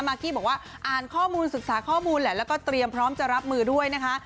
กี้บอกว่าอ่านข้อมูลศึกษาข้อมูลแหละแล้วก็เตรียมพร้อมจะรับมือด้วยนะคะ